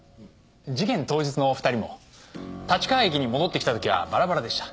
事件当日の２人も立川駅に戻ってきた時はバラバラでした。